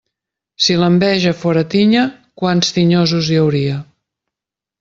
Si l'enveja fóra tinya, quants tinyosos hi hauria.